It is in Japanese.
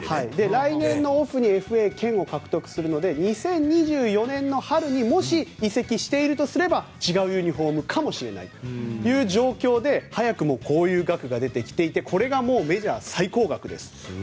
来年のオフにＦＡ権を獲得するので２０２４年の春にもし移籍しているとすれば違うユニホームかもしれないという状況で早くもこういう額が出てきていてこれがメジャー最高額です。